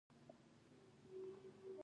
ازادي راډیو د کلتور ستونزې راپور کړي.